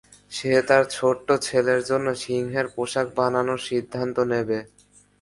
সে তার ছোট্ট ছেলের জন্য সিংহের পোশাক বানানোর সিদ্ধান্ত নেবে।